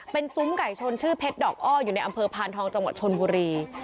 เป็นซุ้มไก่ชนชื่อเพชรดอกอ้ออยู่ในอำเภอพานทองจังหวัดชนบุรี